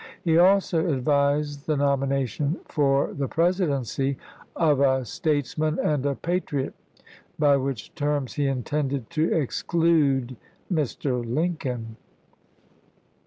He also advised the nomi nation " for the Presidency, [of] a statesman and a pljSo, to patriot "; by which terms he intended to exclude AiS.21' Mr. Lincoln.